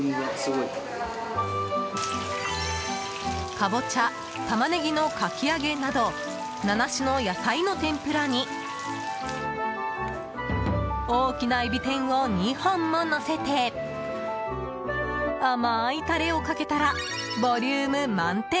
カボチャ、タマネギのかき揚げなど７種の野菜の天ぷらに大きなエビ天を２本ものせて甘いタレをかけたらボリューム満点！